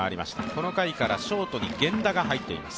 この回からショートに源田が入っています。